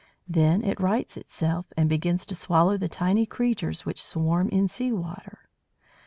Then it rights itself, and begins to swallow the tiny creatures which swarm in sea water.